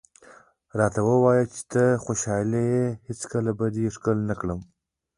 راته ووایه چې ته خوشحاله یې، هېڅکله به دې ښکل نه کړم.